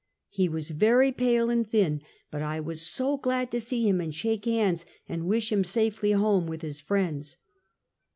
He was very pale and thin, but I was so glad to see him and shake hands, and wish him safely home with his friends.